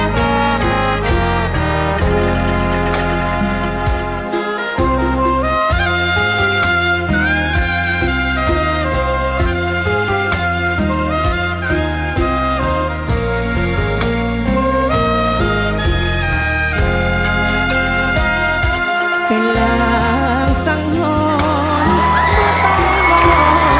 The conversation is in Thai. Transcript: มาช่วยดีค่ะอาหาร